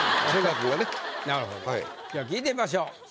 では聞いてみましょう。